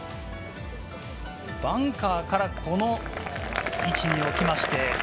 バンカーからこの位置におきまして。